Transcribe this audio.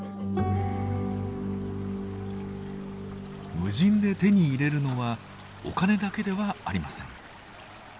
無尽で手に入れるのはお金だけではありません。